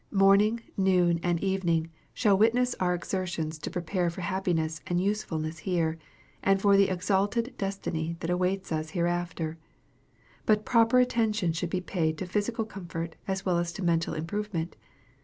Morning, noon, and evening shall witness our exertions to prepare for happiness and usefulness here, and for the exalted destiny that awaits us hereafter. But proper attention should be paid to physical comfort as well as to mental improvement.